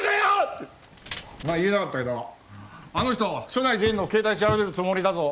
ってまあ言えなかったけどあの人署内全員の携帯調べるつもりだぞ。